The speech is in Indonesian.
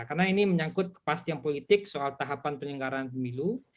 karena ini menyangkut kepastian politik soal tahapan penyelenggaraan pemilu